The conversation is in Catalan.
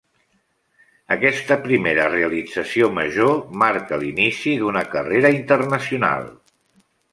Aquesta primera realització major, marca l'inici d'una carrera internacional.